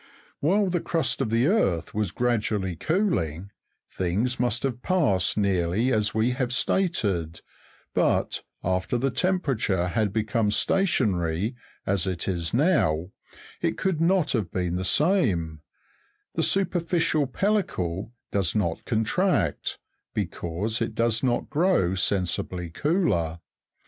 While the crust of the earth was gradually cooling, things must have passed nearly as we have stated ; but, after the temperature hud become stationary, as it is now, it could not' have been the same : the superficial pellicle docs not contract, because it does not grow sensibly cooler.